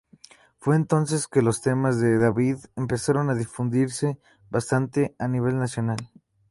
Fue entonces que los temas de David empezaron a difundirse bastante a nivel nacional.